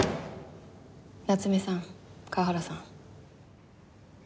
夏目さん河原さん。